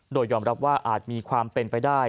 โดยยอมรับว่าอาจมีความเป็นไปได้